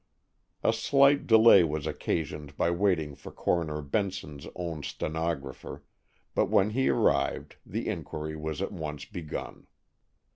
A slight delay was occasioned by waiting for Coroner Benson's own stenographer, but when he arrived the inquiry was at once begun.